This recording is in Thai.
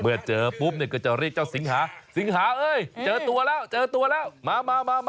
เมื่อเจอปุ๊บเนี่ยก็จะเรียกเจ้าสิงหาสิงหาเอ้ยเจอตัวแล้วเจอตัวแล้วมามา